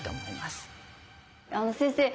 先生